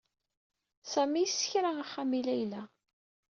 Sami yessekra axxam i Layla.